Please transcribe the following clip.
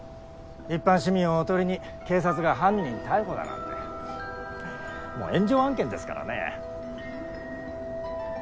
一般市民をおとりに警察が犯人逮捕だなんてもう炎上案件ですからね。